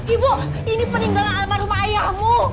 ibu ini peninggalan almarhumah ayahmu